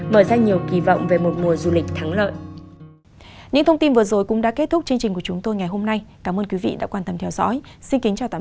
mở ra nhiều kỳ vọng về một mùa du lịch thắng lợi